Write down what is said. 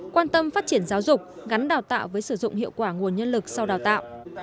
quan tâm phát triển giáo dục gắn đào tạo với sử dụng hiệu quả nguồn nhân lực sau đào tạo